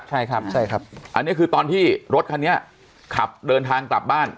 ใช่ครับใช่ครับอันนี้คือตอนที่รถคันนี้ขับเดินทางกลับบ้าน